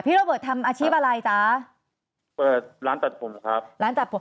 พี่โรเบิร์ตทำอาชีพอะไรจ๊ะเปิดร้านตัดผมครับ